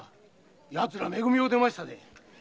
やつら「め組」を出ましたぜ。